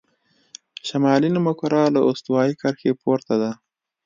شمالي نیمهکره له استوایي کرښې پورته ده.